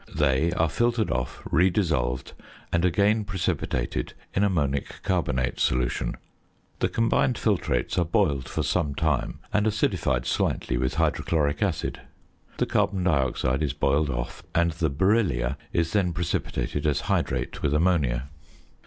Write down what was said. They are filtered off, re dissolved, and again precipitated in ammonic carbonate solution; the combined filtrates are boiled for some time, and acidified slightly with hydrochloric acid. The carbon dioxide is boiled off, and the beryllia is then precipitated as hydrate with ammonia.